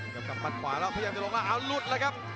กำบัดขวาแล้วพยายามจะลงล่างอ้าวหลุดแล้วครับ